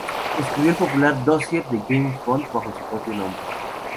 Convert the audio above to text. Escribió el popular Dossier de James Bond bajo su propio nombre.